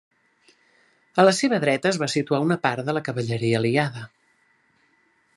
A la seva dreta es va situar una part de la cavalleria aliada.